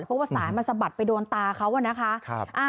เพราะว่าสายมันสะบัดไปโดนตาเขา